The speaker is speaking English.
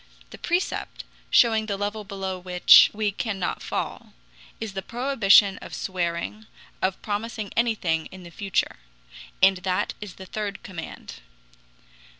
The precept, showing the level below which we cannot fall, is the prohibition of swearing, of promising anything in the future. And that is the third command.